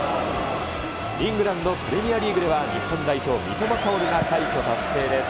イングランドプレミアリーグでは、日本代表、三笘薫が快挙達成です。